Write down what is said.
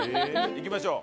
行きましょう。